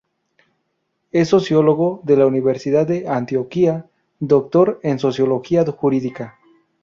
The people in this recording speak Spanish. Es sociólogo de la Universidad de Antioquía, doctor en Sociología Jurídica.